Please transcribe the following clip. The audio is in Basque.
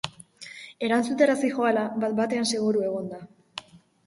Erantzutera zihoala, bat-batean seguru egon da.